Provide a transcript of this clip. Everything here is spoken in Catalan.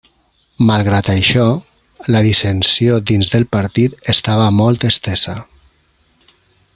Malgrat això, la dissensió dins del partit estava molt estesa.